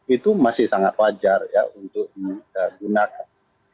itu masih sangat wajar ya untuk digunakan